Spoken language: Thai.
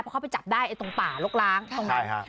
เขาเข้าไปจับได้ไอ้ตรงป่าลกล้างใช่ไหมใช่ค่ะ